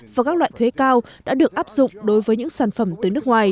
và các loại thuế cao đã được áp dụng đối với những sản phẩm từ nước ngoài